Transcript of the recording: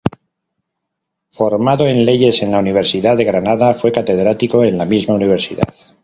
Formado en Leyes en la Universidad de Granada, fue catedrático en la misma universidad.